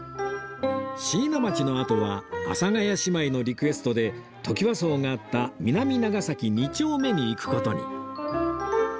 椎名町のあとは阿佐ヶ谷姉妹のリクエストでトキワ荘があった南長崎二丁目に行く事に